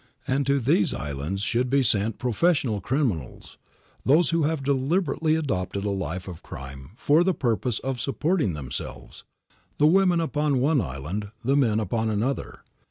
And to these islands should be sent professional criminals, those who have deliberately adopted a life of crime for the purpose of supporting themselves, the women upon one island, the men upon another.